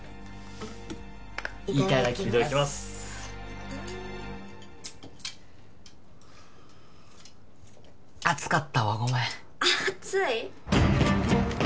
いただきます熱かったわごめん熱い？